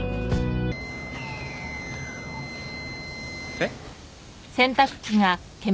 えっ？